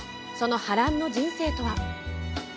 その波乱の人生とは？